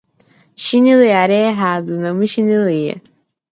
Chinelear é errado, não me chineleia!